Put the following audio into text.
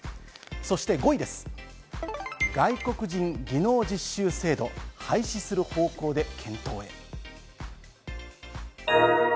そして５位です、外国人技能実習制度、廃止する方向で検討へ。